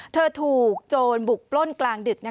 เธอถูกโจรบุกปล้นกลางดึก